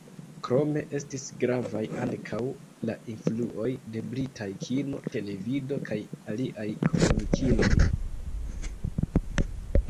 Krome estis gravaj ankaŭ la influoj de britaj kino, televido kaj aliaj komunikiloj.